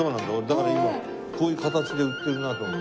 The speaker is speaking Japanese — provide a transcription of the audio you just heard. だから今こういう形で売ってるなって思って。